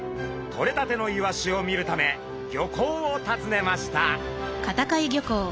とれたてのイワシを見るため漁港を訪ねました。